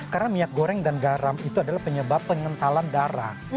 karena minyak goreng dan garam itu adalah penyebab pengentalan darah